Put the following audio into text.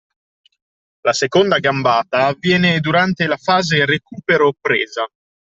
La seconda gambata avviene durante la fase recupero-presa